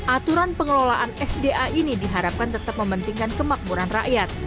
aturan pengelolaan sda ini diharapkan tetap mementingkan kemakmuran rakyat